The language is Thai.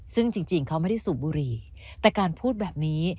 ซึ่งจริงเขาไม่ได้สูบบุหรี่แต่การพูดแบบนี้